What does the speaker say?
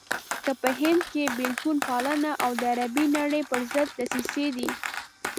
که په هند کې بېلتون پالنه او د عربي نړۍ پرضد دسيسې دي.